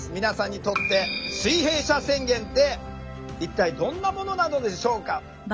皆さんにとって水平社宣言って一体どんなものなのでしょうか。